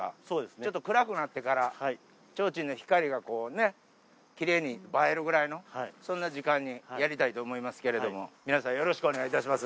ちょっと暗くなってから、提灯の光がこうね、きれいにきれいに映えるぐらいの、そんな時間にやりたいと思いますけれども、皆さん、よろしくお願いいたします。